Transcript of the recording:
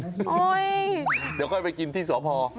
อ๊ยเดี๋ยวก็ให้ไปกินที่สวพฮอล์